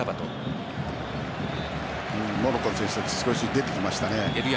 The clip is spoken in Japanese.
モロッコの選手たち少し出てきましたね。